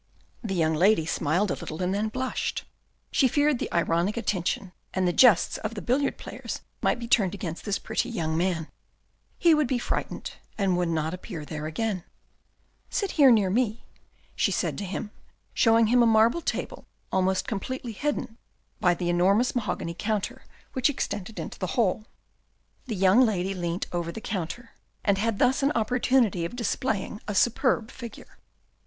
The young lady smiled a little, and then blushed. She 170 THE RED AND THE BLACK feared the ironic attention and the jests of the billiard players might be turned against this pretty young man. He would be frightened and would not appear there again. " Sit here near me," she said to him, showing him a marble table almost completely hidden by the enormous mahogany counter which extended into the hall. The young lady leant over the counter, and had thus an opportunity of displaying a superb figure.